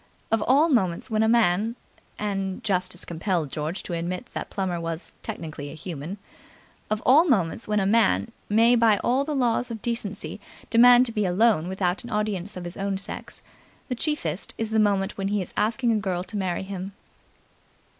Of all moments when a man and justice compelled George to admit that Plummer was technically human of all moments when a man may by all the laws of decency demand to be alone without an audience of his own sex, the chiefest is the moment when he is asking a girl to marry him.